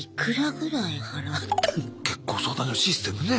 結婚相談所のシステムね。